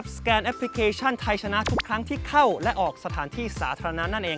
สแกนแอปพลิเคชันไทยชนะทุกครั้งที่เข้าและออกสถานที่สาธารณะนั่นเอง